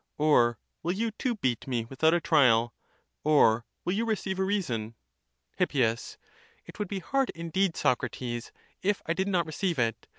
Or will you too beat* me without a trial? or will you receive a reason? Hip. It would be hard indeed, Socrates, if I did not re ceive it.